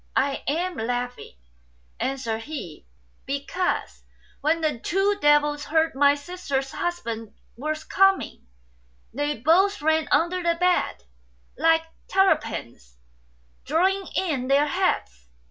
151 " I am laughing," answered he, " because when the two devils heard my sister's husband was coming, they both ran under the bed, like terrapins, drawing in their heads.